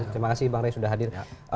terima kasih bang rey sudah hadir